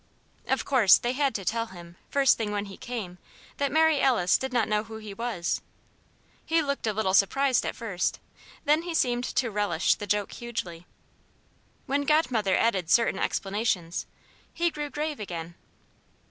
Of course they had to tell him, first thing when he came, that Mary Alice did not know who he was. He looked a little surprised at first; then he seemed to relish the joke hugely. When Godmother added certain explanations, he grew grave again.